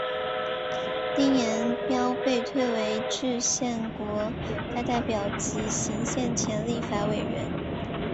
丁廷标被推为制宪国大代表及行宪前立法委员。